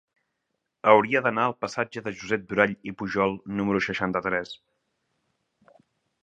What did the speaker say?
Hauria d'anar al passatge de Josep Durall i Pujol número seixanta-tres.